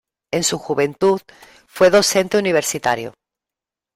En su juventud fue docente universitario.